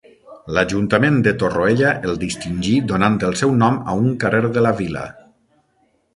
L'ajuntament de Torroella el distingí donant el seu nom a un carrer de la vila.